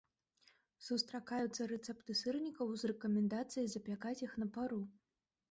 Сустракаюцца рэцэпты сырнікаў з рэкамендацыяй запякаць іх на пару.